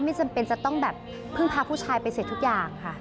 ไม่จำเป็นจะต้องแบบพึ่งพาผู้ชายไปเสร็จทุกอย่างค่ะ